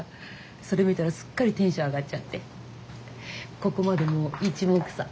それ見たらすっかりテンション上がっちゃってここまでもういちもくさん。